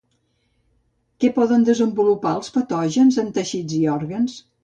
Què poden desenvolupar els patògens en teixits i òrgans?